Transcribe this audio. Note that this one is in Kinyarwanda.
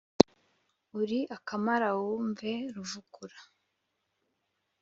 uri akamara vumwe, ruvukura